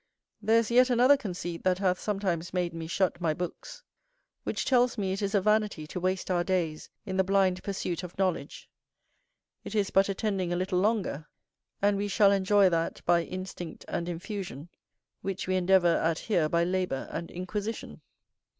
There is yet another conceit that hath sometimes made me shut my books, which tells me it is a vanity to waste our days in the blind pursuit of knowledge: it is but attending a little longer, and we shall enjoy that, by instinct and infusion, which we endeavour at here by labour and inquisition.